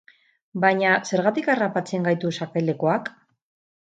Baina, zergatik harrapatzen gaitu sakelakoak?